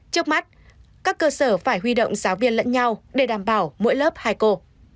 trước mắt các cơ sở phải huy động giáo viên lẫn nhau để đảm bảo mỗi lớp hai cô